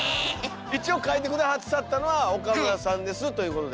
一応かいて下さったのは岡村さんですということで。